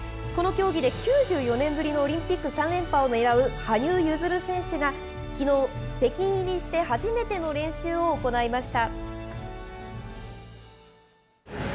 この競技で９４年ぶりのオリンピック３連覇をねらう羽生結弦選手が、きのう、北京入りして初めての練習を行いました。